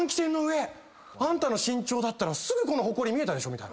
「あんたの身長だったらすぐこのほこり見えたでしょ」